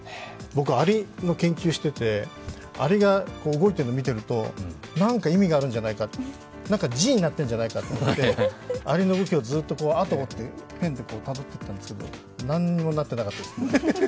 僕、アリの研究していて、アリが動いてるのになんか意味があるんじゃないか、字になってるんじゃないかと思ってアリの動きを後を追って、ペンでたどっていったんですけど、なんにもなってなかったです。